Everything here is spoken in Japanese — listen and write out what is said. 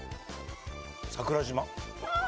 桜島？